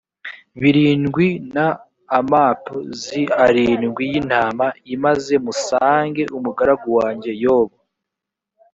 birindwi n amap zi arindwi y intama i maze musange umugaragu wanjye yobu